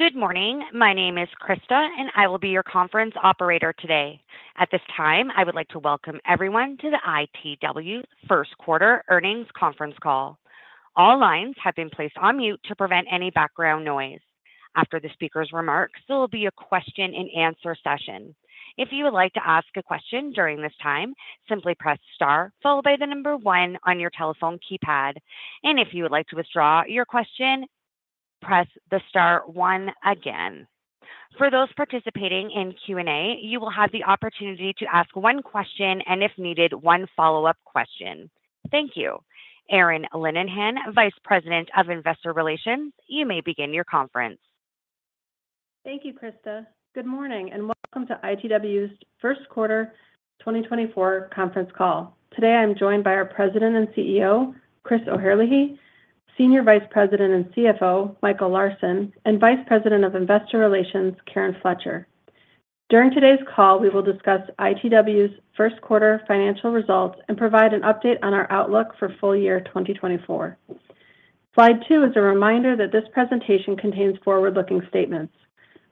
Good morning. My name is Krista, and I will be your conference operator today. At this time, I would like to welcome everyone to the ITW Q1 Earnings Conference Call. All lines have been placed on mute to prevent any background noise. After the speaker's remarks, there will be a question-and-answer session. If you would like to ask a question during this time, simply press star followed by the number one on your telephone keypad, and if you would like to withdraw your question, press the star 1 again. For those participating in Q&A, you will have the opportunity to ask one question and, if needed, one follow-up question. Thank you. Erin Linnihan, Vice President of Investor Relations, you may begin your conference. Thank you, Krista. Good morning and welcome to ITW's Q1 2024 Conference Call. Today I'm joined by our President and CEO, Chris O'Herlihy, Senior Vice President and CFO, Michael Larsen, and Vice President of Investor Relations, Karen Fletcher. During today's call, we will discuss ITW's Q1 financial results and provide an update on our outlook for full year 2024. Slide two is a reminder that this presentation contains forward-looking statements.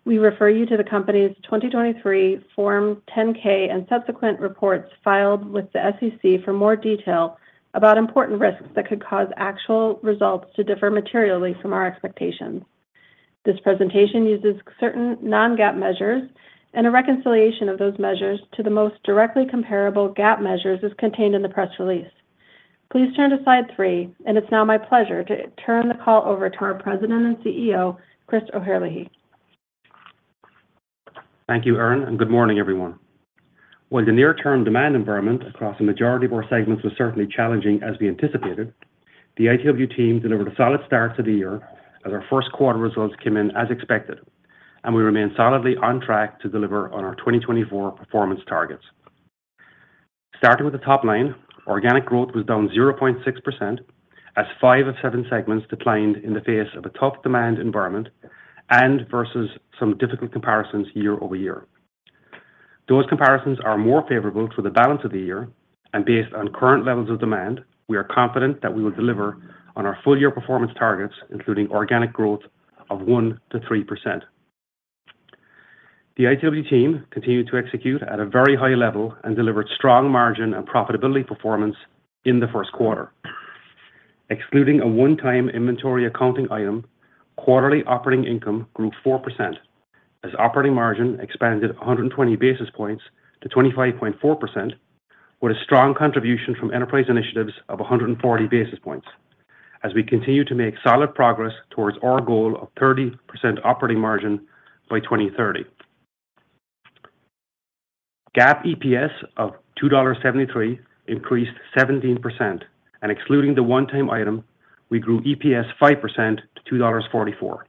We refer you to the company's 2023 Form 10-K and subsequent reports filed with the SEC for more detail about important risks that could cause actual results to differ materially from our expectations. This presentation uses certain non-GAAP measures, and a reconciliation of those measures to the most directly comparable GAAP measures is contained in the press release. Please turn to slide three, and it's now my pleasure to turn the call over to our President and CEO, Chris O'Herlihy. Thank you, Erin, and good morning, everyone. While the near-term demand environment across the majority of our segments was certainly challenging as we anticipated, the ITW team delivered a solid start to the year as our Q1 results came in as expected, and we remain solidly on track to deliver on our 2024 performance targets. Starting with the top line, organic growth was down 0.6% as five of seven segments declined in the face of a tough demand environment and versus some difficult comparisons year-over-year. Those comparisons are more favorable for the balance of the year, and based on current levels of demand, we are confident that we will deliver on our full-year performance targets, including organic growth of 1%-3%. The ITW team continued to execute at a very high level and delivered strong margin and profitability performance in the Q1. Excluding a one-time inventory accounting item, quarterly operating income grew 4% as operating margin expanded 120 basis points to 25.4%, with a strong contribution from Enterprise Initiatives of 140 basis points as we continue to make solid progress towards our goal of 30% operating margin by 2030. GAAP EPS of $2.73 increased 17%, and excluding the one-time item, we grew EPS 5% to $2.44.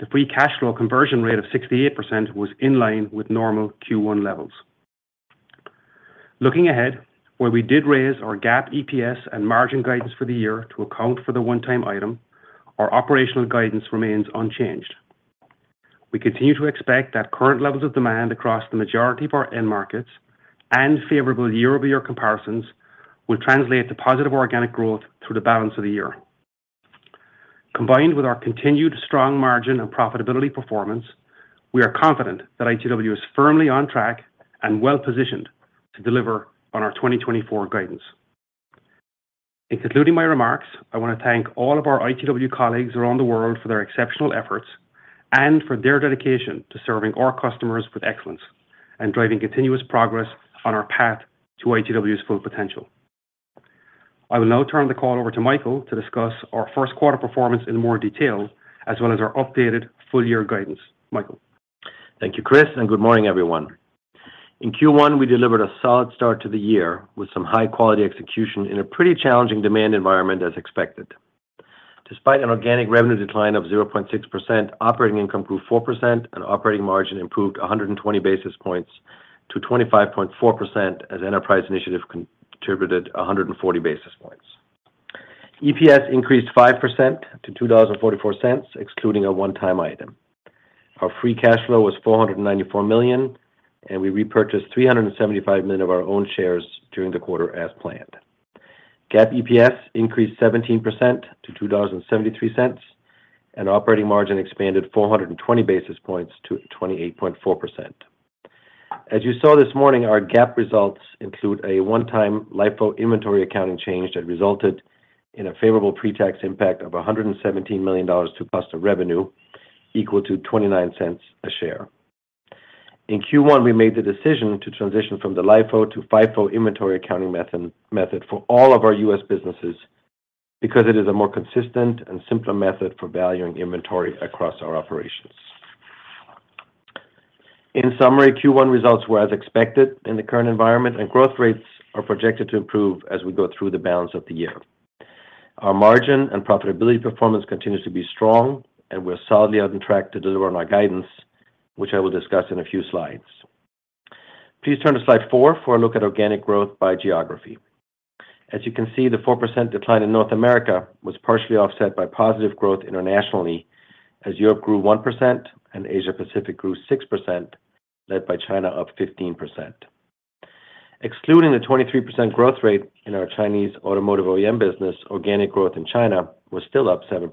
The free cash flow conversion rate of 68% was in line with normal Q1 levels. Looking ahead, where we did raise our GAAP EPS and margin guidance for the year to account for the one-time item, our operational guidance remains unchanged. We continue to expect that current levels of demand across the majority of our end markets and favorable year-over-year comparisons will translate to positive organic growth through the balance of the year. Combined with our continued strong margin and profitability performance, we are confident that ITW is firmly on track and well-positioned to deliver on our 2024 guidance. In concluding my remarks, I want to thank all of our ITW colleagues around the world for their exceptional efforts and for their dedication to serving our customers with excellence and driving continuous progress on our path to ITW's full potential. I will now turn the call over to Michael to discuss our Q1 performance in more detail as well as our updated full-year guidance. Michael. Thank you, Chris, and good morning, everyone. In Q1, we delivered a solid start to the year with some high-quality execution in a pretty challenging demand environment as expected. Despite an organic revenue decline of 0.6%, operating income grew 4%, and operating margin improved 120 basis points to 25.4%, as enterprise initiative contributed 140 basis points. EPS increased 5% to $0.244, excluding a one-time item. Our free cash flow was $494 million, and we repurchased $375 million of our own shares during the quarter as planned. GAAP EPS increased 17% to $0.273, and operating margin expanded 420 basis points to 28.4%. As you saw this morning, our GAAP results include a one-time LIFO inventory accounting change that resulted in a favorable pretax impact of $117 million to cost of revenue, equal to $0.29 a share. In Q1, we made the decision to transition from the LIFO to FIFO inventory accounting method for all of our U.S. businesses because it is a more consistent and simpler method for valuing inventory across our operations. In summary, Q1 results were as expected in the current environment, and growth rates are projected to improve as we go through the balance of the year. Our margin and profitability performance continues to be strong, and we're solidly on track to deliver on our guidance, which I will discuss in a few slides. Please turn to slide four for a look at organic growth by geography. As you can see, the 4% decline in North America was partially offset by positive growth internationally as Europe grew 1% and Asia-Pacific grew 6%, led by China up 15%. Excluding the 23% growth rate in our Chinese automotive OEM business, organic growth in China was still up 7%.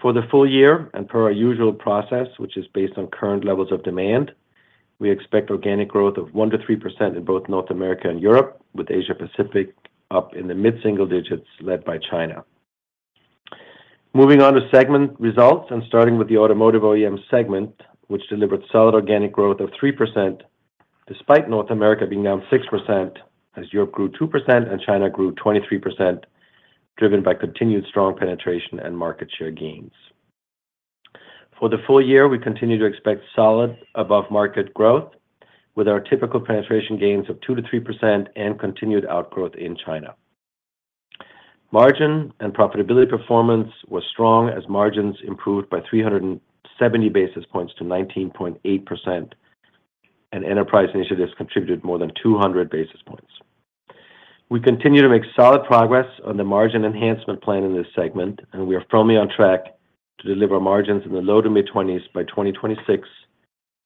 For the full year and per our usual process, which is based on current levels of demand, we expect organic growth of 1%-3% in both North America and Europe, with Asia-Pacific up in the mid-single digits, led by China. Moving on to segment results and starting with the automotive OEM segment, which delivered solid organic growth of 3% despite North America being down 6% as Europe grew 2% and China grew 23%, driven by continued strong penetration and market share gains. For the full year, we continue to expect solid above-market growth with our typical penetration gains of 2%-3% and continued outgrowth in China. Margin and profitability performance was strong as margins improved by 370 basis points to 19.8%, and enterprise initiatives contributed more than 200 basis points. We continue to make solid progress on the margin enhancement plan in this segment, and we are firmly on track to deliver margins in the low to mid-20s by 2026,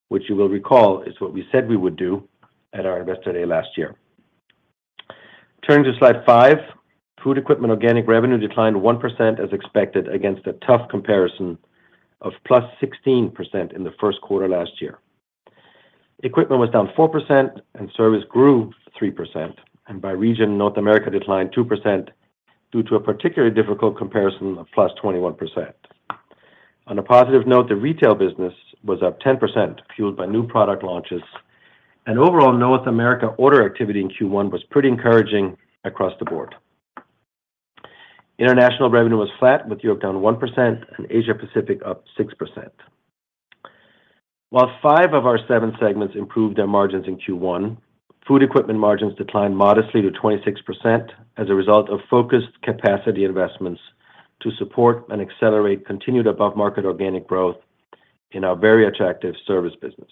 which you will recall is what we said we would do at our Investor Day last year. Turning to slide five, food equipment organic revenue declined 1% as expected against a tough comparison of +16% in the Q1 last year. Equipment was down -4% and service grew +3%, and by region, North America declined -2% due to a particularly difficult comparison of +21%. On a positive note, the retail business was up +10%, fueled by new product launches, and overall, North America order activity in Q1 was pretty encouraging across the board. International revenue was flat, with Europe down -1% and Asia-Pacific up +6%. While five of our seven segments improved their margins in Q1, food equipment margins declined modestly to 26% as a result of focused capacity investments to support and accelerate continued above-market organic growth in our very attractive service business.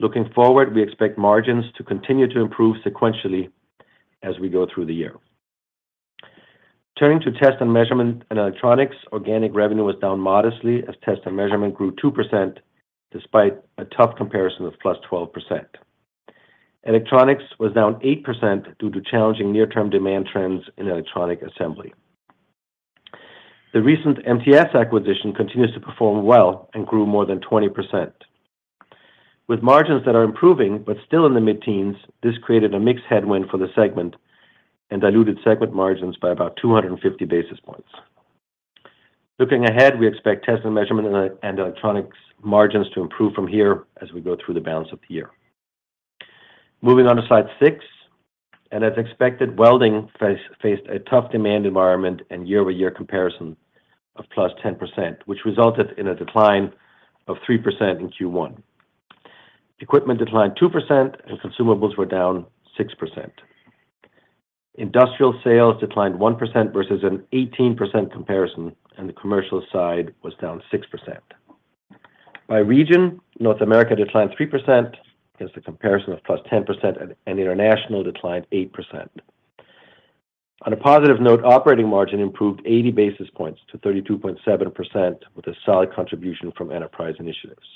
Looking forward, we expect margins to continue to improve sequentially as we go through the year. Turning to test and measurement and electronics, organic revenue was down modestly as test and measurement grew 2% despite a tough comparison of +12%. Electronics was down 8% due to challenging near-term demand trends in electronic assembly. The recent MTS acquisition continues to perform well and grew more than 20%. With margins that are improving but still in the mid-teens, this created a mixed headwind for the segment and diluted segment margins by about 250 basis points. Looking ahead, we expect test and measurement and electronics margins to improve from here as we go through the balance of the year. Moving on to slide six, and as expected, welding faced a tough demand environment and year-over-year comparison of +10%, which resulted in a decline of 3% in Q1. Equipment declined 2%, and consumables were down 6%. Industrial sales declined 1% versus an 18% comparison, and the commercial side was down 6%. By region, North America declined 3% against a comparison of +10%, and international declined 8%. On a positive note, operating margin improved 80 basis points to 32.7% with a solid contribution from enterprise initiatives.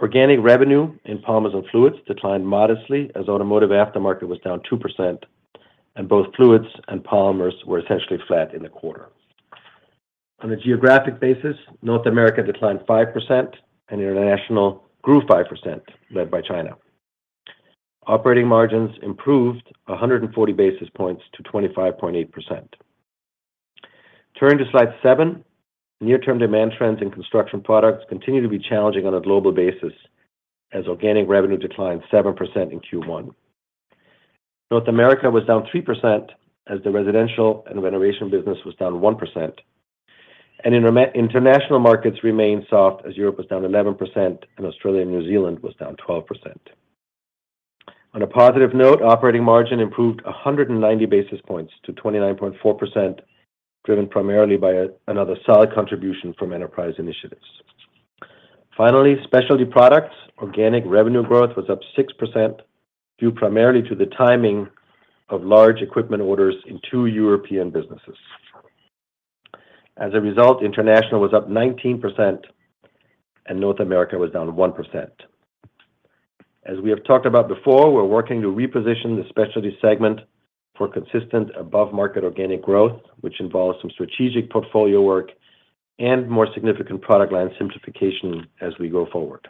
Organic revenue in polymers and fluids declined modestly as automotive aftermarket was down 2%, and both fluids and polymers were essentially flat in the quarter. On a geographic basis, North America declined 5%, and international grew 5%, led by China. Operating margins improved 140 basis points to 25.8%. Turning to slide seven, near-term demand trends in construction products continue to be challenging on a global basis as organic revenue declined 7% in Q1. North America was down 3% as the residential and renovation business was down 1%, and international markets remain soft as Europe was down 11% and Australia and New Zealand was down 12%. On a positive note, operating margin improved 190 basis points to 29.4%, driven primarily by another solid contribution from enterprise initiatives. Finally, specialty products organic revenue growth was up 6% due primarily to the timing of large equipment orders in two European businesses. As a result, international was up 19% and North America was down 1%. As we have talked about before, we're working to reposition the specialty segment for consistent above-market organic growth, which involves some strategic portfolio work and more significant product line simplification as we go forward.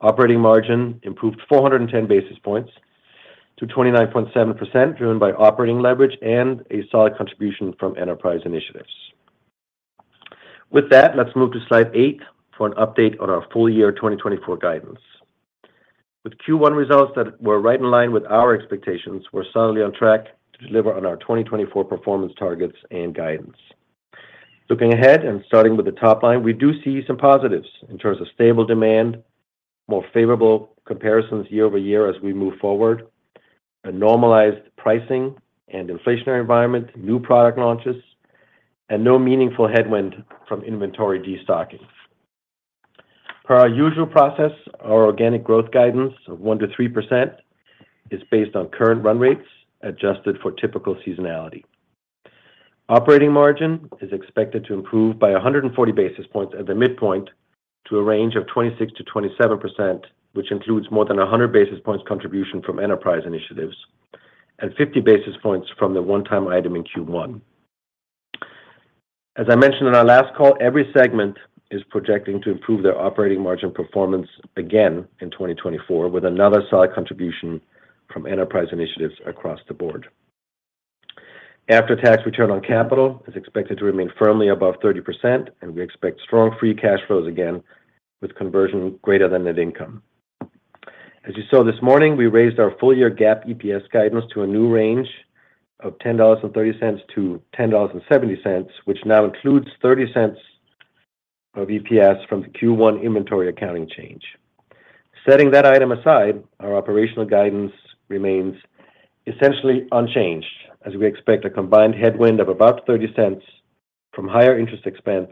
Operating margin improved 410 basis points to 29.7%, driven by operating leverage and a solid contribution from enterprise initiatives. With that, let's move to slide 8 for an update on our full-year 2024 guidance. With Q1 results that were right in line with our expectations, we're solidly on track to deliver on our 2024 performance targets and guidance. Looking ahead and starting with the top line, we do see some positives in terms of stable demand, more favorable comparisons year-over-year as we move forward, a normalized pricing and inflationary environment, new product launches, and no meaningful headwind from inventory destocking. Per our usual process, our organic growth guidance of 1%-3% is based on current run rates adjusted for typical seasonality. Operating margin is expected to improve by 140 basis points at the midpoint to a range of 26%-27%, which includes more than 100 basis points contribution from enterprise initiatives and 50 basis points from the one-time item in Q1. As I mentioned on our last call, every segment is projecting to improve their operating margin performance again in 2024 with another solid contribution from enterprise initiatives across the board. After-tax return on capital is expected to remain firmly above 30%, and we expect strong free cash flows again with conversion greater than net income. As you saw this morning, we raised our full-year GAAP EPS guidance to a new range of $10.30-$10.70, which now includes $0.30 of EPS from the Q1 inventory accounting change. Setting that item aside, our operational guidance remains essentially unchanged as we expect a combined headwind of about $0.30 from higher interest expense,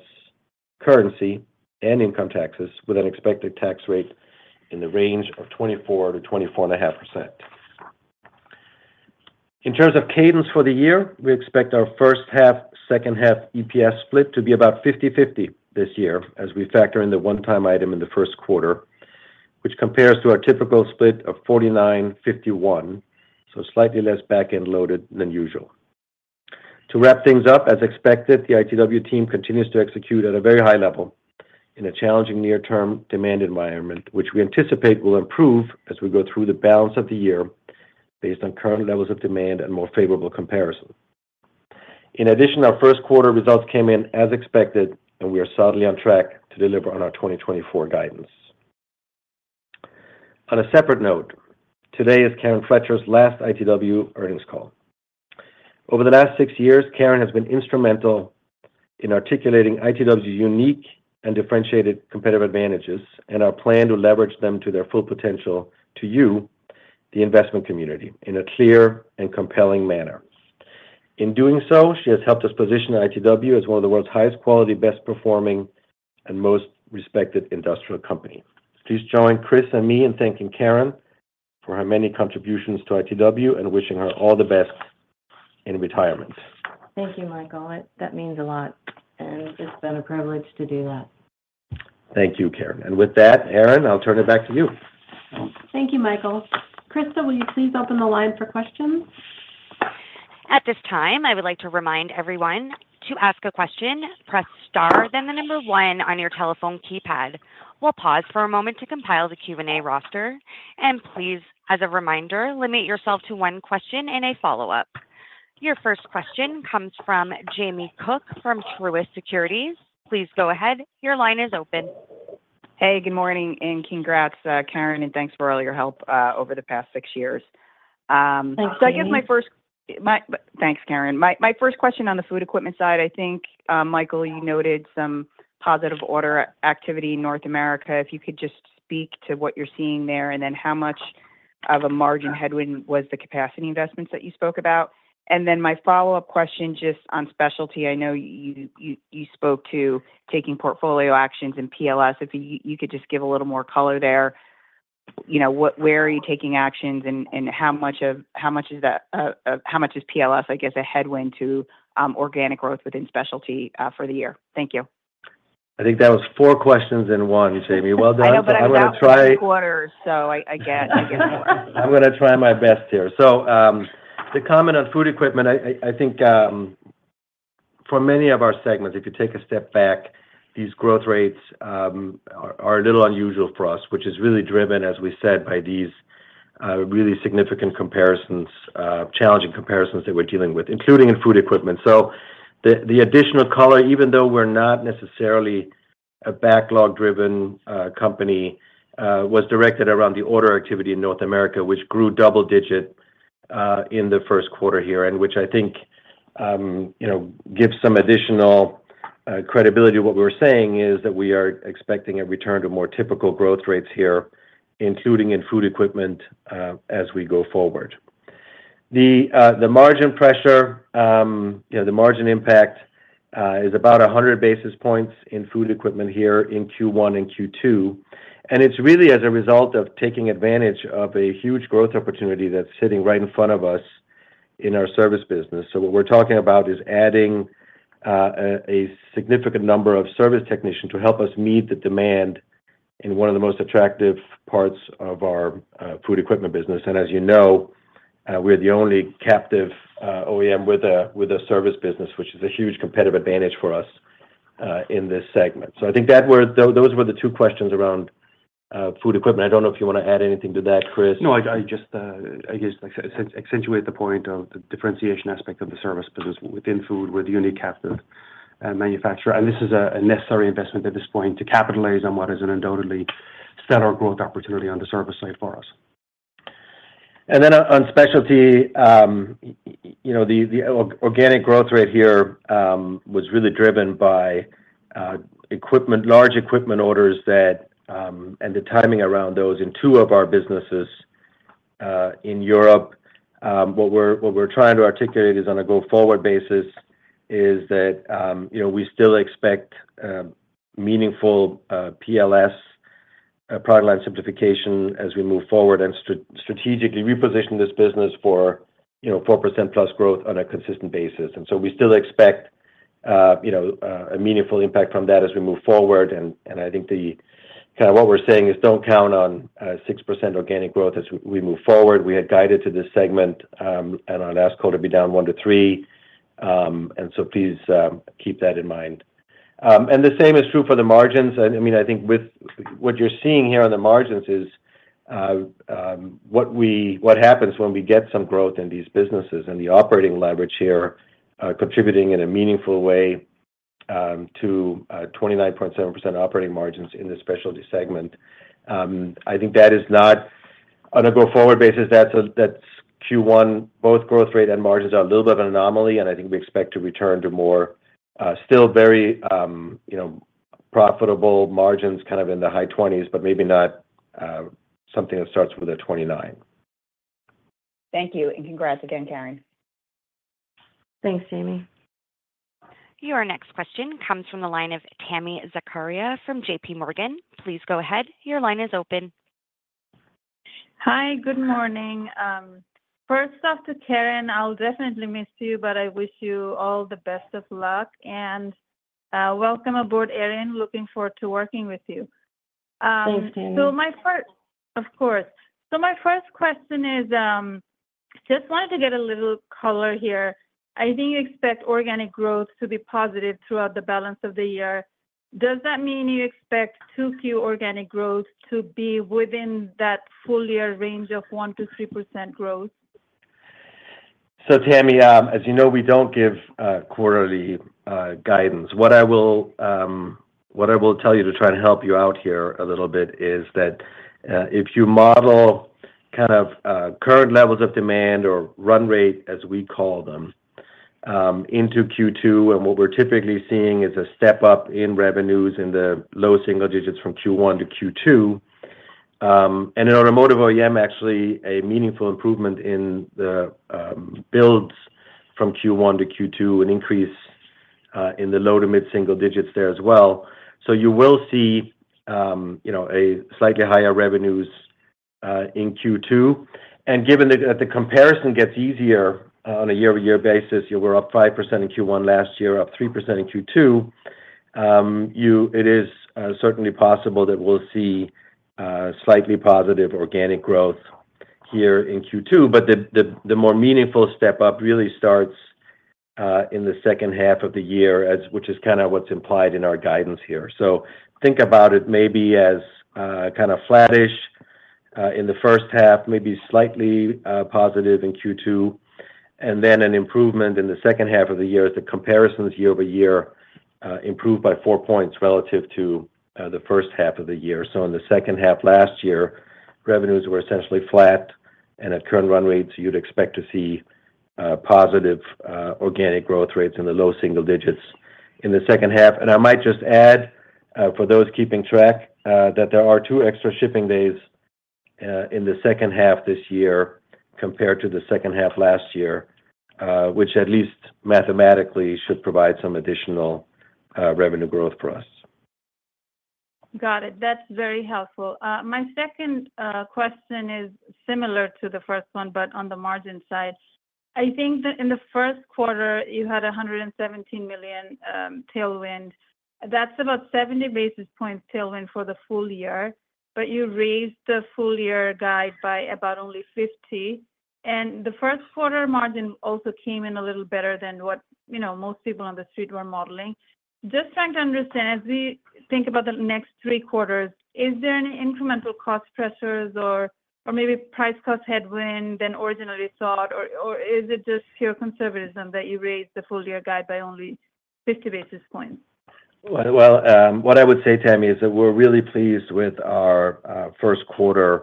currency, and income taxes with an expected tax rate in the range of 24%-24.5%. In terms of cadence for the year, we expect our first half, second half EPS split to be about 50/50 this year as we factor in the one-time item in the Q1, which compares to our typical split of 49/51, so slightly less back-end loaded than usual. To wrap things up, as expected, the ITW team continues to execute at a very high level in a challenging near-term demand environment, which we anticipate will improve as we go through the balance of the year based on current levels of demand and more favorable comparison. In addition, our Q1 results came in as expected, and we are solidly on track to deliver on our 2024 guidance. On a separate note, today is Karen Fletcher's last ITW earnings call. Over the last six years, Karen has been instrumental in articulating ITW's unique and differentiated competitive advantages and our plan to leverage them to their full potential to you, the investment community, in a clear and compelling manner. In doing so, she has helped us position ITW as one of the world's highest-quality, best-performing, and most respected industrial companies. Please join Chris and me in thanking Karen for her many contributions to ITW and wishing her all the best in retirement. Thank you, Michael. That means a lot, and it's been a privilege to do that. Thank you, Karen. With that, Erin, I'll turn it back to you. Thank you, Michael. Krista, will you please open the line for questions? At this time, I would like to remind everyone to ask a question, press star then the number one on your telephone keypad. We'll pause for a moment to compile the Q&A roster. Please, as a reminder, limit yourself to one question and a follow-up. Your first question comes from Jamie Cook from Truist Securities. Please go ahead. Your line is open. Hey, good morning and congrats, Karen, and thanks for all your help over the past six years. Thank you. So, I guess my first thanks, Karen. My first question on the food equipment side, I think, Michael, you noted some positive order activity in North America. If you could just speak to what you're seeing there and then how much of a margin headwind was the capacity investments that you spoke about. And then my follow-up question just on specialty, I know you spoke to taking portfolio actions in PLS. If you could just give a little more color there, where are you taking actions and how much is that how much is PLS, I guess, a headwind to organic growth within specialty for the year? Thank you. I think that was four questions in one, Jamie. Well done. I know, but I've got four quarters, so I get more. I'm going to try my best here. So the comment on food equipment, I think for many of our segments, if you take a step back, these growth rates are a little unusual for us, which is really driven, as we said, by these really significant comparisons, challenging comparisons that we're dealing with, including in food equipment. So the additional color, even though we're not necessarily a backlog-driven company, was directed around the order activity in North America, which grew double-digit in the Q1 here and which I think gives some additional credibility to what we were saying is that we are expecting a return to more typical growth rates here, including in food equipment, as we go forward. The margin pressure, the margin impact, is about 100 basis points in food equipment here in Q1 and Q2. And it's really as a result of taking advantage of a huge growth opportunity that's sitting right in front of us in our service business. So what we're talking about is adding a significant number of service technicians to help us meet the demand in one of the most attractive parts of our food equipment business. And as you know, we're the only captive OEM with a service business, which is a huge competitive advantage for us in this segment. So I think those were the two questions around food equipment. I don't know if you want to add anything to that, Chris. No, I just, I guess, accentuate the point of the differentiation aspect of the service business within food with the unique captive manufacturer. And this is a necessary investment at this point to capitalize on what is an undoubtedly stellar growth opportunity on the service side for us. Then on specialty, the organic growth rate here was really driven by large equipment orders and the timing around those in two of our businesses in Europe. What we're trying to articulate is on a go-forward basis is that we still expect meaningful PLS, product line simplification, as we move forward and strategically reposition this business for 4% plus growth on a consistent basis. And so we still expect a meaningful impact from that as we move forward. And I think kind of what we're saying is don't count on 6% organic growth as we move forward. We had guided to this segment and on last call to be down 1%-3%. And so please keep that in mind. And the same is true for the margins. I mean, I think with what you're seeing here on the margins is what happens when we get some growth in these businesses and the operating leverage here contributing in a meaningful way to 29.7% operating margins in the specialty segment. I think that is not on a go-forward basis, that's Q1. Both growth rate and margins are a little bit of an anomaly, and I think we expect to return to more still very profitable margins kind of in the high 20s, but maybe not something that starts with a 29. Thank you. Congrats again, Karen. Thanks, Jamie. Your next question comes from the line of Tami Zakaria from JP Morgan. Please go ahead. Your line is open. Hi, good morning. First off to Karen, I'll definitely miss you, but I wish you all the best of luck. Welcome aboard, Erin. Looking forward to working with you. Thanks, Tami. So my first question is just wanted to get a little color here. I think you expect organic growth to be positive throughout the balance of the year. Does that mean you expect Q2 organic growth to be within that full-year range of 1%-3% growth? So, Tami, as you know, we don't give quarterly guidance. What I will tell you to try and help you out here a little bit is that if you model kind of current levels of demand or run rate, as we call them, into Q2, and what we're typically seeing is a step up in revenues in the low single digits from Q1 to Q2. And in automotive OEM, actually, a meaningful improvement in the builds from Q1 to Q2, an increase in the low to mid single digits there as well. So you will see a slightly higher revenues in Q2. And given that the comparison gets easier on a year-over-year basis, we're up 5% in Q1 last year, up 3% in Q2, it is certainly possible that we'll see slightly positive organic growth here in Q2. The more meaningful step up really starts in the second half of the year, which is kind of what's implied in our guidance here. Think about it maybe as kind of flat-ish in the first half, maybe slightly positive in Q2, and then an improvement in the second half of the year as the comparisons year-over-year improve by 4 points relative to the first half of the year. In the second half last year, revenues were essentially flat, and at current run rates, you'd expect to see positive organic growth rates in the low single digits in the second half. I might just add, for those keeping track, that there are two extra shipping days in the second half this year compared to the second half last year, which at least mathematically should provide some additional revenue growth for us. Got it. That's very helpful. My second question is similar to the first one, but on the margin side. I think that in the Q1, you had $117 million tailwind. That's about 70 basis points tailwind for the full year, but you raised the full-year guide by about only 50. And the Q1 margin also came in a little better than what most people on the street were modeling. Just trying to understand, as we think about the next three quarters, is there any incremental cost pressures or maybe price cost headwind than originally thought, or is it just pure conservatism that you raised the full-year guide by only 50 basis points? Well, what I would say, Tammy, is that we're really pleased with our Q1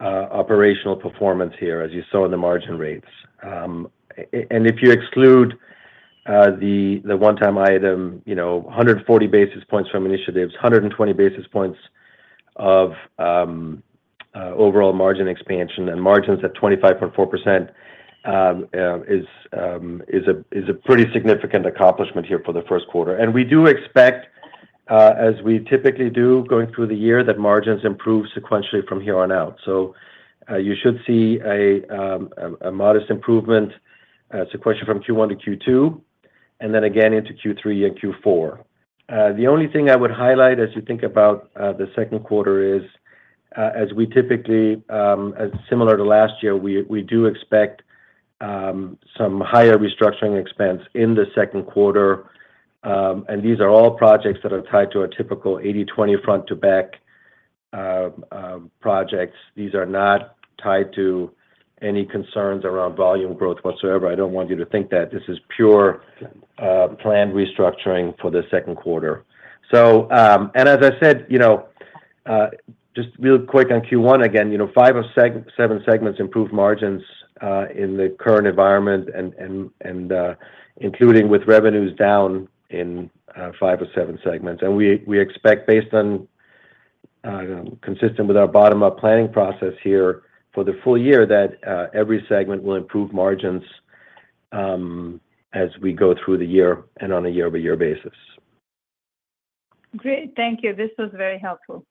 operational performance here, as you saw in the margin rates. And if you exclude the one-time item, 140 basis points from initiatives, 120 basis points of overall margin expansion, and margins at 25.4% is a pretty significant accomplishment here for the Q1. And we do expect, as we typically do going through the year, that margins improve sequentially from here on out. So you should see a modest improvement sequentially from Q1 to Q2 and then again into Q3 and Q4. The only thing I would highlight as you think about the Q2 is, as we typically similar to last year, we do expect some higher restructuring expense in the Q2. And these are all projects that are tied to our typical 80/20 front-to-back projects. These are not tied to any concerns around volume growth whatsoever. I don't want you to think that. This is pure planned restructuring for the Q2. As I said, just real quick on Q1 again, five of seven segments improved margins in the current environment, including with revenues down in five of seven segments. We expect, based on consistent with our bottom-up planning process here for the full year, that every segment will improve margins as we go through the year and on a year-over-year basis. Great. Thank you. This was very helpful.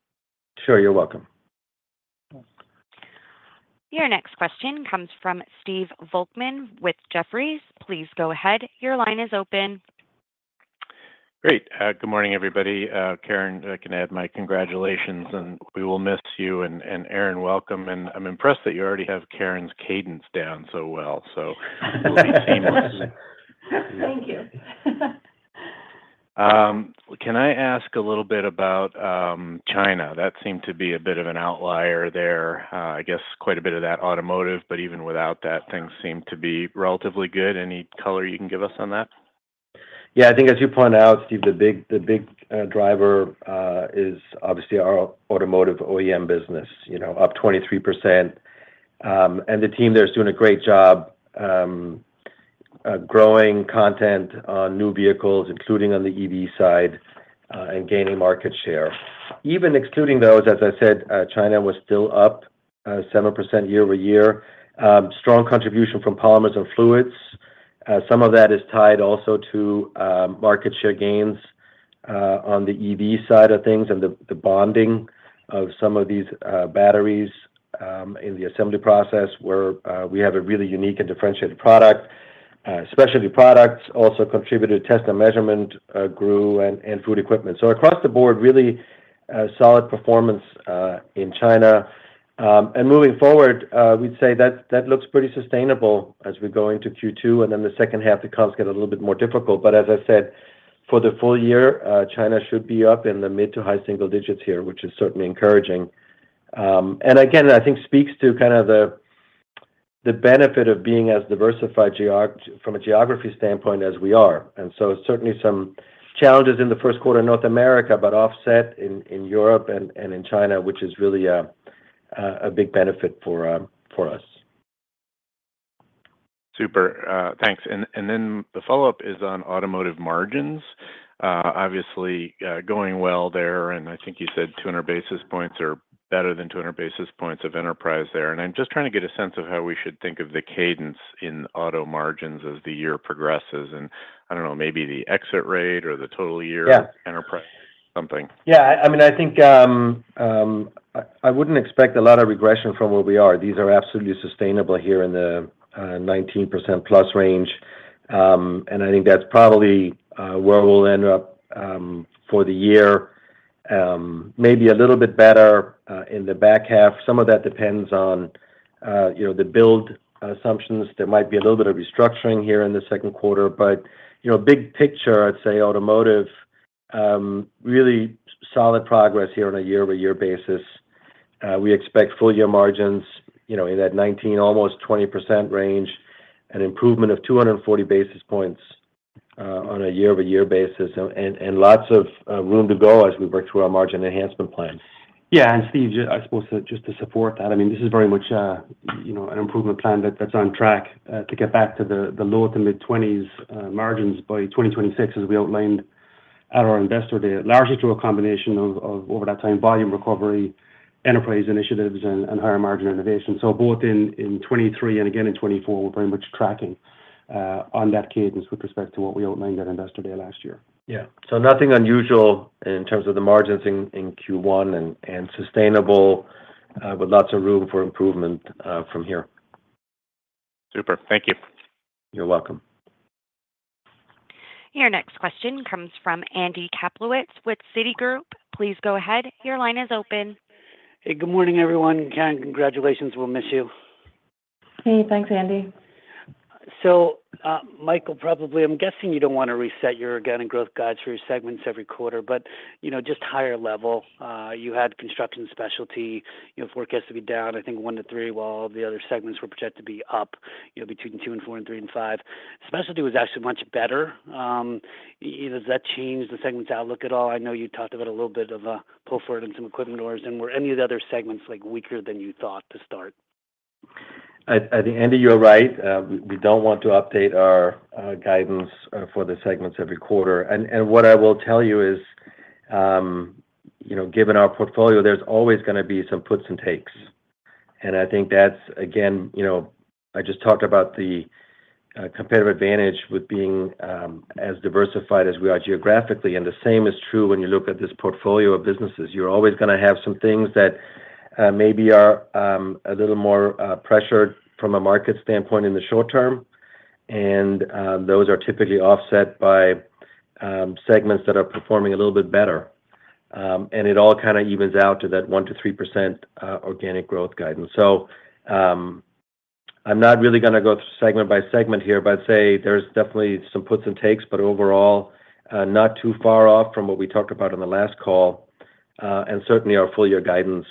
Sure. You're welcome. Your next question comes from Steve Volkmann with Jefferies. Please go ahead. Your line is open. Great. Good morning, everybody. Karen, I can add my congratulations, and we will miss you. Erin, welcome. I'm impressed that you already have Karen's cadence down so well, so it will be seamless. Thank you. Can I ask a little bit about China? That seemed to be a bit of an outlier there, I guess quite a bit of that automotive, but even without that, things seem to be relatively good. Any color you can give us on that? Yeah. I think as you point out, Steve, the big driver is obviously our automotive OEM business, up 23%. And the team there is doing a great job growing content on new vehicles, including on the EV side, and gaining market share. Even excluding those, as I said, China was still up 7% year-over-year. Strong contribution from polymers and fluids. Some of that is tied also to market share gains on the EV side of things and the bonding of some of these batteries in the assembly process where we have a really unique and differentiated product. Specialty products also contributed. Test and measurement grew and food equipment. So across the board, really solid performance in China. And moving forward, we'd say that looks pretty sustainable as we go into Q2, and then the second half, the costs get a little bit more difficult. But as I said, for the full year, China should be up in the mid- to high-single digits here, which is certainly encouraging. And again, I think speaks to kind of the benefit of being as diversified from a geography standpoint as we are. And so certainly some challenges in the Q1 in North America, but offset in Europe and in China, which is really a big benefit for us. Super. Thanks. And then the follow-up is on automotive margins. Obviously, going well there, and I think you said 200 basis points are better than 200 basis points of enterprise there. And I'm just trying to get a sense of how we should think of the cadence in auto margins as the year progresses. And I don't know, maybe the exit rate or the total year enterprise something. Yeah. I mean, I think I wouldn't expect a lot of regression from where we are. These are absolutely sustainable here in the 19%+ range. And I think that's probably where we'll end up for the year. Maybe a little bit better in the back half. Some of that depends on the build assumptions. There might be a little bit of restructuring here in the Q2. But big picture, I'd say automotive, really solid progress here on a year-over-year basis. We expect full-year margins in that 19% almost 20% range, an improvement of 240 basis points on a year-over-year basis, and lots of room to go as we work through our margin enhancement plan. Yeah. And Steve, I suppose just to support that, I mean, this is very much an improvement plan that's on track to get back to the low- to mid-20s margins by 2026 as we outlined at our investor day, largely through a combination of over that time volume recovery, enterprise initiatives, and higher margin innovation. So both in 2023 and again in 2024, we're very much tracking on that cadence with respect to what we outlined at investor day last year. Yeah. Nothing unusual in terms of the margins in Q1 and sustainable with lots of room for improvement from here. Super. Thank you. You're welcome. Your next question comes from Andy Kaplowitz with Citigroup. Please go ahead. Your line is open. Hey. Good morning, everyone. Karen, congratulations. We'll miss you. Hey. Thanks, Andy. So Michael, probably I'm guessing you don't want to reset your organic growth guides for your segments every quarter, but just higher level. You had Construction Products. Specialty Products had to be down, I think 1%-3% while all the other segments were projected to be up between 2%-4% and 3%-5%. Specialty Products was actually much better. Does that change the segments outlook at all? I know you talked about a little bit of a pull forward in some equipment orders. And were any of the other segments weaker than you thought to start? I think, Andy, you're right. We don't want to update our guidance for the segments every quarter. What I will tell you is, given our portfolio, there's always going to be some puts and takes. I think that's, again, I just talked about the competitive advantage with being as diversified as we are geographically. The same is true when you look at this portfolio of businesses. You're always going to have some things that maybe are a little more pressured from a market standpoint in the short term. Those are typically offset by segments that are performing a little bit better. It all kind of evens out to that 1%-3% organic growth guidance. I'm not really going to go through segment by segment here, but I'd say there's definitely some puts and takes, but overall, not too far off from what we talked about on the last call. Certainly, our full-year guidance,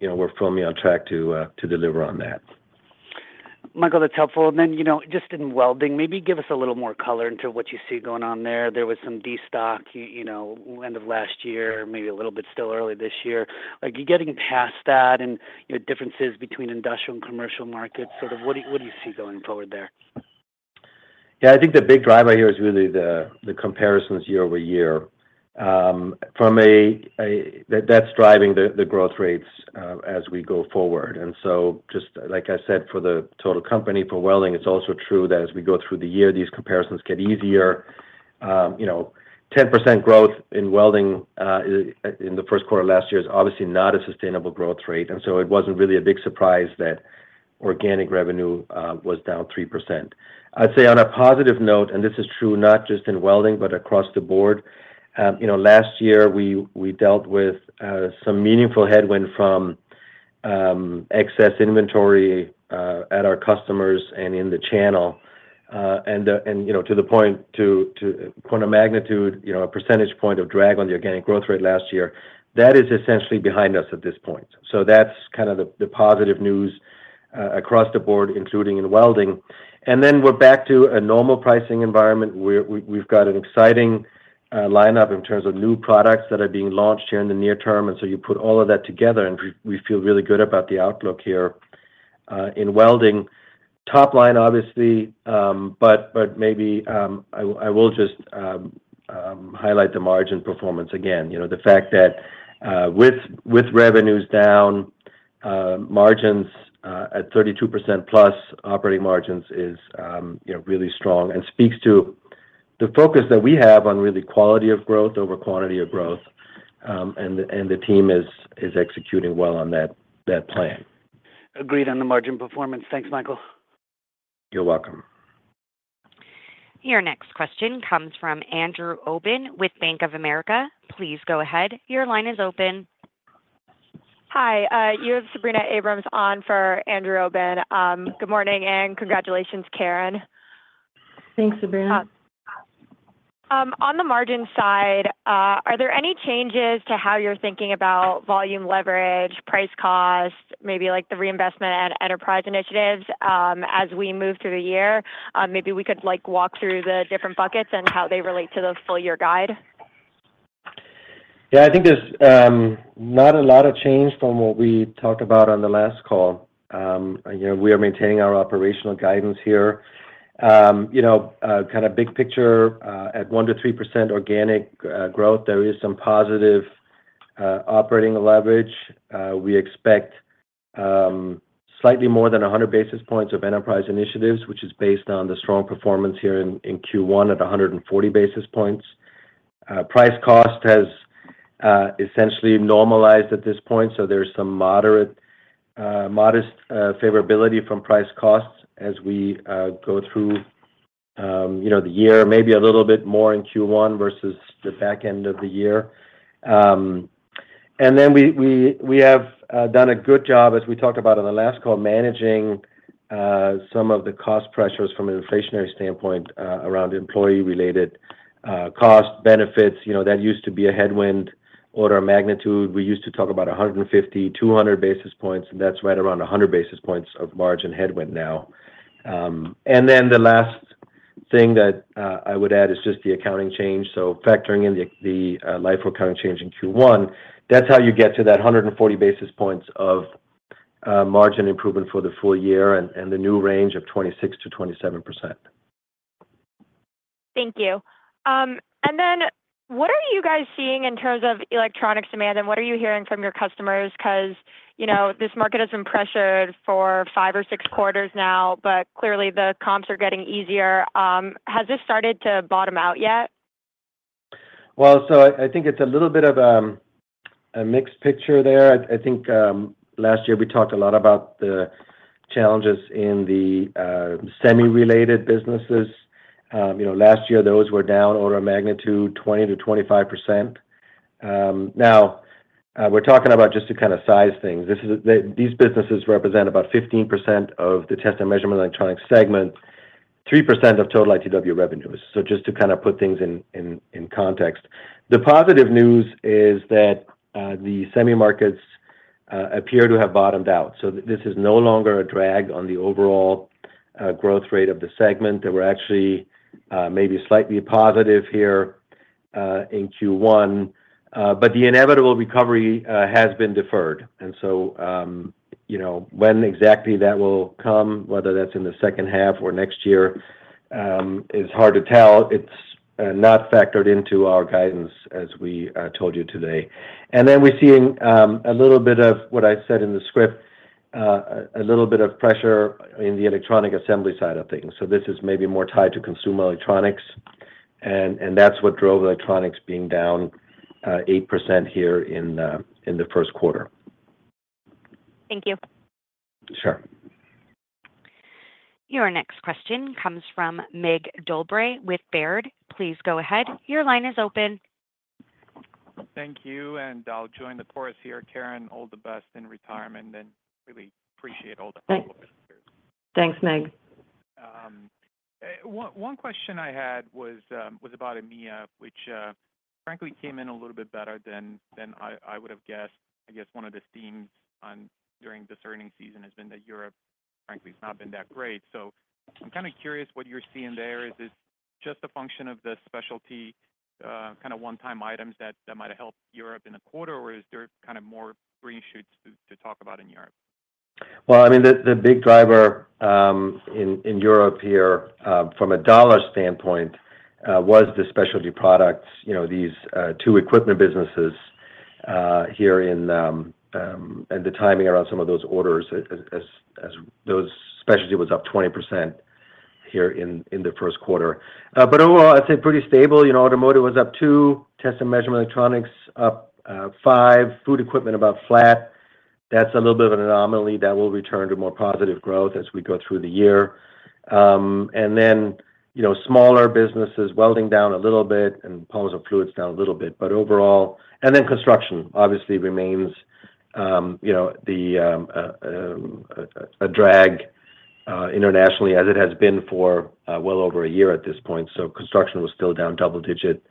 we're firmly on track to deliver on that. Michael, that's helpful. And then just in welding, maybe give us a little more color into what you see going on there. There was some destock end of last year, maybe a little bit still early this year. Are you getting past that and differences between industrial and commercial markets? Sort of what do you see going forward there? Yeah. I think the big driver here is really the comparisons year-over-year. That's driving the growth rates as we go forward. And so just like I said, for the total company, for welding, it's also true that as we go through the year, these comparisons get easier. 10% growth in welding in the Q1 last year is obviously not a sustainable growth rate. And so it wasn't really a big surprise that organic revenue was down 3%. I'd say on a positive note, and this is true not just in welding, but across the board, last year, we dealt with some meaningful headwind from excess inventory at our customers and in the channel. And to the point, to quantum magnitude, a percentage point of drag on the organic growth rate last year, that is essentially behind us at this point. So that's kind of the positive news across the board, including in welding. And then we're back to a normal pricing environment. We've got an exciting lineup in terms of new products that are being launched here in the near term. And so you put all of that together, and we feel really good about the outlook here in welding. Top line, obviously, but maybe I will just highlight the margin performance again, the fact that with revenues down, margins at 32% plus operating margins is really strong and speaks to the focus that we have on really quality of growth over quantity of growth. And the team is executing well on that plan. Agreed on the margin performance. Thanks, Michael. You're welcome. Your next question comes from Andrew Obin with Bank of America. Please go ahead. Your line is open. Hi. You have on Sabrina Abrams for Andrew Obin. Good morning, and congratulations, Karen. Thanks, Sabrina. On the margin side, are there any changes to how you're thinking about volume leverage, price cost, maybe the reinvestment and enterprise initiatives as we move through the year? Maybe we could walk through the different buckets and how they relate to the full-year guide? Yeah. I think there's not a lot of change from what we talked about on the last call. We are maintaining our operational guidance here. Kind of big picture, at 1%-3% organic growth, there is some positive operating leverage. We expect slightly more than 100 basis points of enterprise initiatives, which is based on the strong performance here in Q1 at 140 basis points. Price cost has essentially normalized at this point. So there's some modest favorability from price costs as we go through the year, maybe a little bit more in Q1 versus the back end of the year. And then we have done a good job, as we talked about on the last call, managing some of the cost pressures from an inflationary standpoint around employee-related costs, benefits. That used to be a headwind order of magnitude. We used to talk about 150-200 basis points, and that's right around 100 basis points of margin headwind now. Then the last thing that I would add is just the accounting change. So factoring in the LIFO accounting change in Q1, that's how you get to that 140 basis points of margin improvement for the full year and the new range of 26%-27%. Thank you. And then what are you guys seeing in terms of electronics demand? And what are you hearing from your customers? Because this market has been pressured for five or six quarters now, but clearly, the comps are getting easier. Has this started to bottom out yet? Well, so I think it's a little bit of a mixed picture there. I think last year, we talked a lot about the challenges in the semi-related businesses. Last year, those were down order of magnitude 20%-25%. Now, we're talking about just to kind of size things. These businesses represent about 15% of the test and measurement electronics segment, 3% of total ITW revenues. So just to kind of put things in context, the positive news is that the semi-markets appear to have bottomed out. So this is no longer a drag on the overall growth rate of the segment. They were actually maybe slightly positive here in Q1. But the inevitable recovery has been deferred. And so when exactly that will come, whether that's in the second half or next year, is hard to tell. It's not factored into our guidance, as we told you today. Then we're seeing a little bit of what I said in the script, a little bit of pressure in the electronic assembly side of things. This is maybe more tied to consumer electronics. That's what drove electronics being down 8% here in the Q1. Thank you. Sure. Your next question comes from Mircea Dobre with Baird. Please go ahead. Your line is open. Thank you. I'll join the chorus here. Karen, all the best in retirement, and really appreciate all the help over the years. Thanks, Mircea. One question I had was about EMEA, which frankly came in a little bit better than I would have guessed. I guess one of the themes during this earnings season has been that Europe, frankly, has not been that great. So I'm kind of curious what you're seeing there. Is this just a function of the specialty kind of one-time items that might have helped Europe in a quarter, or is there kind of more green shoots to talk about in Europe? Well, I mean, the big driver in Europe here from a dollar standpoint was the specialty products, these two equipment businesses here in and the timing around some of those orders. Those specialty was up 20% here in the Q1. But overall, I'd say pretty stable. Automotive was up 2%, test and measurement electronics up 5%, food equipment about flat. That's a little bit of an anomaly. That will return to more positive growth as we go through the year. And then smaller businesses welding down a little bit and Polymers and Fluids down a little bit. But overall and then construction obviously remains a drag internationally as it has been for well over a year at this point. So construction was still down double-digit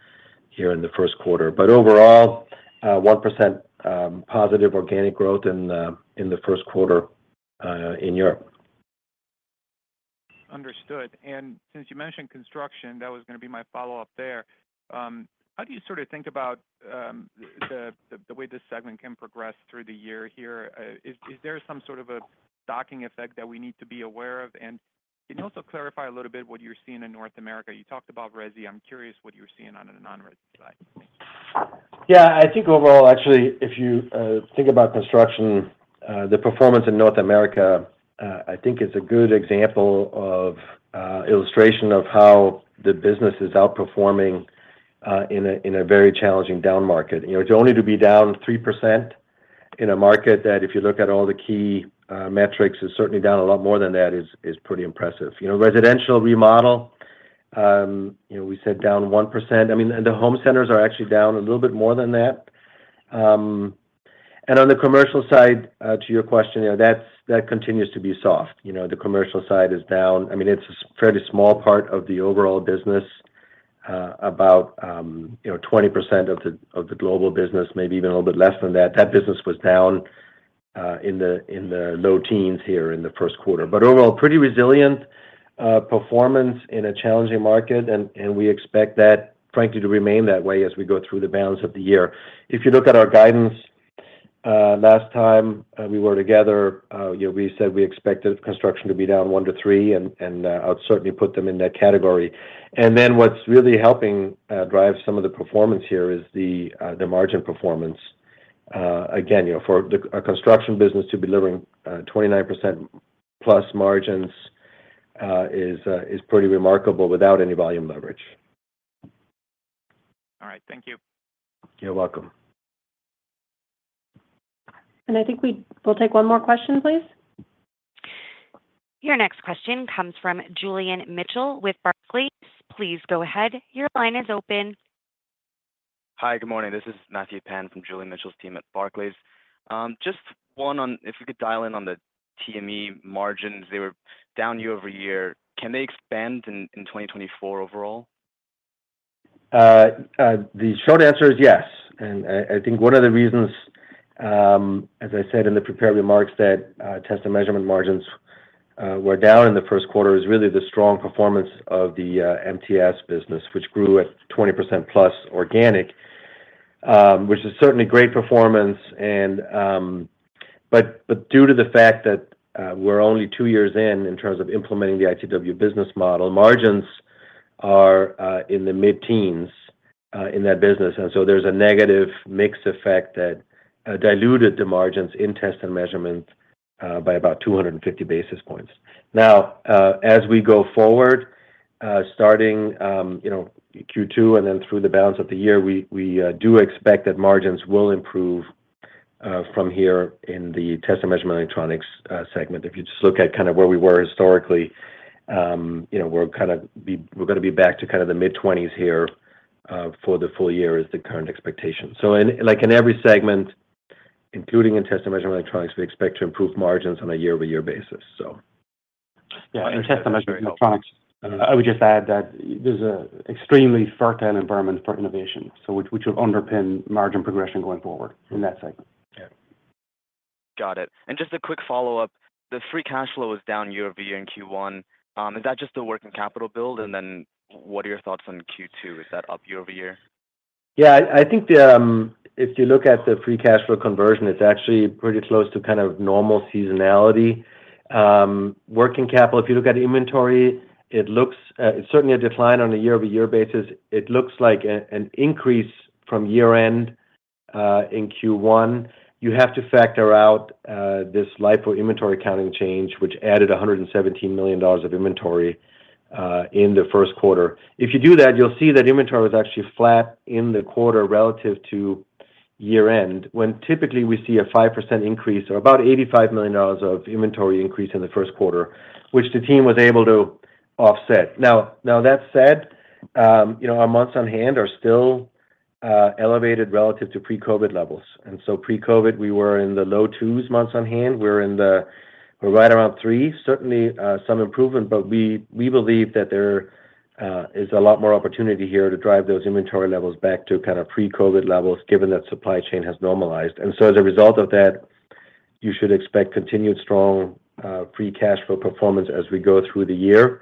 here in the Q1. But overall, 1% positive organic growth in the Q1 in Europe. Understood. And since you mentioned construction, that was going to be my follow-up there. How do you sort of think about the way this segment can progress through the year here? Is there some sort of a docking effect that we need to be aware of? And can you also clarify a little bit what you're seeing in North America? You talked about resi. I'm curious what you're seeing on the non-resi side. Yeah. I think overall, actually, if you think about construction, the performance in North America, I think it's a good example of illustration of how the business is outperforming in a very challenging down market. To only be down 3% in a market that if you look at all the key metrics, is certainly down a lot more than that, is pretty impressive. Residential remodel, we said down 1%. I mean, and the home centers are actually down a little bit more than that. And on the commercial side, to your question, that continues to be soft. The commercial side is down. I mean, it's a fairly small part of the overall business, about 20% of the global business, maybe even a little bit less than that. That business was down in the low teens here in the Q1. But overall, pretty resilient performance in a challenging market. And we expect that, frankly, to remain that way as we go through the balance of the year. If you look at our guidance last time we were together, we said we expected construction to be down 1-3, and I would certainly put them in that category. And then what's really helping drive some of the performance here is the margin performance. Again, for a construction business to be delivering 29% plus margins is pretty remarkable without any volume leverage. All right. Thank you. You're welcome. I think we'll take one more question, please. Your next question comes from Julian Mitchell with Barclays. Please go ahead. Your line is open. Hi. Good morning. This is Matthew Pan from Julian Mitchell's team at Barclays. Just one, if we could dial in on the TME margins, they were down year-over-year. Can they expand in 2024 overall? The short answer is yes. I think one of the reasons, as I said in the prepared remarks, that test and measurement margins were down in the Q1 is really the strong performance of the MTS business, which grew at 20% plus organic, which is certainly great performance. Due to the fact that we're only two years in in terms of implementing the ITW business model, margins are in the mid-teens in that business. And so there's a negative mix effect that diluted the margins in test and measurement by about 250 basis points. Now, as we go forward, starting Q2 and then through the balance of the year, we do expect that margins will improve from here in the test and measurement electronics segment. If you just look at kind of where we were historically, we're going to be back to kind of the mid-20s here for the full year, is the current expectation. So in every segment, including in test and measurement electronics, we expect to improve margins on a year-over-year basis, so. Yeah. In test and measurement electronics, I would just add that there's an extremely fertile environment for innovation, which will underpin margin progression going forward in that segment. Yeah. Got it. Just a quick follow-up, the free cash flow is down year-over-year in Q1. Is that just the working capital build? Then what are your thoughts on Q2? Is that up year-over-year? Yeah. I think if you look at the free cash flow conversion, it's actually pretty close to kind of normal seasonality. Working capital, if you look at inventory, it's certainly a decline on a year-over-year basis. It looks like an increase from year-end in Q1. You have to factor out this LIFO inventory accounting change, which added $117 million of inventory in the Q1. If you do that, you'll see that inventory was actually flat in the quarter relative to year-end, when typically, we see a 5% increase or about $85 million of inventory increase in the Q1, which the team was able to offset. Now, that said, our months on hand are still elevated relative to pre-COVID levels. And so pre-COVID, we were in the low 2s months on hand. We're right around 3. Certainly, some improvement, but we believe that there is a lot more opportunity here to drive those inventory levels back to kind of pre-COVID levels, given that supply chain has normalized. So as a result of that, you should expect continued strong free cash flow performance as we go through the year.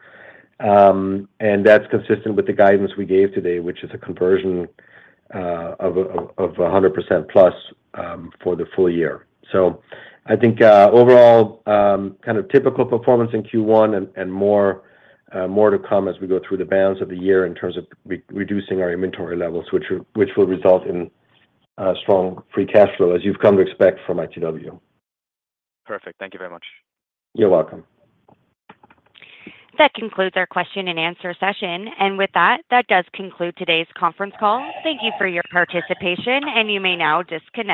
That's consistent with the guidance we gave today, which is a conversion of 100% plus for the full year. I think overall, kind of typical performance in Q1 and more to come as we go through the balance of the year in terms of reducing our inventory levels, which will result in strong free cash flow, as you've come to expect from ITW. Perfect. Thank you very much. You're welcome. That concludes our question and answer session. With that, that does conclude today's conference call. Thank you for your participation, and you may now disconnect.